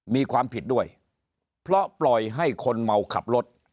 มีความผิดด้วยเพราะปล่อยให้คนเมาขับรถ